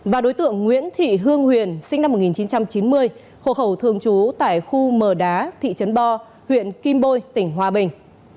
và đối tượng nguyễn thị hương huyền sinh năm một nghìn chín trăm chín mươi hồ hầu thường trú tại khu mờ đá thị trấn bo huyện kim bôi tỉnh hòa bình